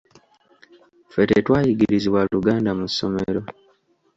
Ffe tetwayigirizibwa Luganda mu ssomero.